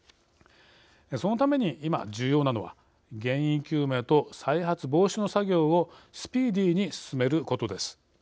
そのために今、重要なのは原因究明と再発防止の作業をスピーディーに進めることです。